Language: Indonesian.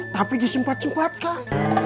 tapi disempat sempat kak